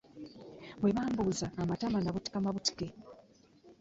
Bwe bambuuza amatama nabutika mabutike.